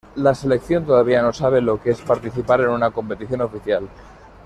La selección todavía no sabe lo que es participar en una competición oficial.